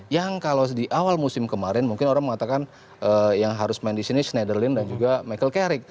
yang kalau di awal musim kemarin mungkin orang mengatakan yang harus main di sini schneiderlin dan juga michael carrick